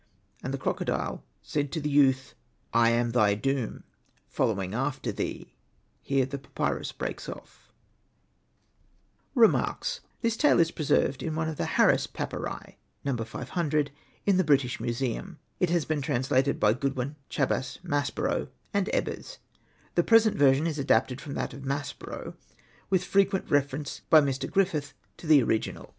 And the crocodile said to the youth, ^^ I am thy doom, following after thee. ..." [Here the papyrus breaks off.] Hosted by Google 28 THE DOOMED PRINCE REMARKS This tale is preserved in one of the Harris papyri (No. 500) in the British Museum. It has been translated by Goodwin, Chabas, Maspero, and Ebers. The present version is adapted from that of Maspero, with frequent reference by Mr. Griffith to the original.